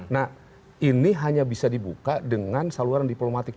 nah ini hanya bisa dibuka dengan saluran diplomatik